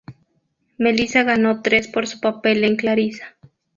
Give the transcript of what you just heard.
Melissa ganó tres por su papel en "Clarissa".